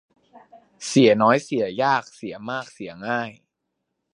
เสียน้อยเสียยาก เสียมากเสียง่าย